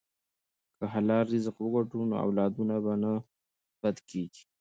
که حلال رزق وګټو نو اولاد نه بد کیږي.